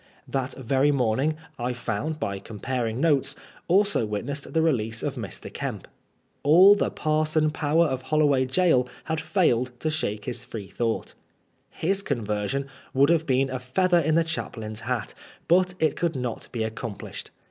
That very morning, I found by com PABSON PLAFOBD. 143 paring notes, also witnessed the release of Mr. Kemp. All the parson power of Holloway Gaol had failed to shake his Freethonght. His conversion would have been a feather in the chaplain's hat, but it could not be accomplished.